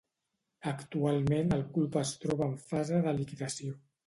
Actualment el club es troba en fase de liquidació.